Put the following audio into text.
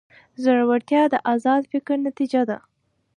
زړورتیا د ازاد فکر نتیجه ده.